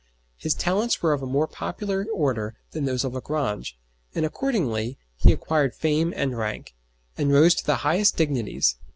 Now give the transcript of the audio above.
His talents were of a more popular order than those of Lagrange, and accordingly he acquired fame and rank, and rose to the highest dignities.